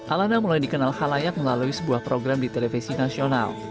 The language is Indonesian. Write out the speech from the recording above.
alana mulai dikenal halayak melalui sebuah program di televisi nasional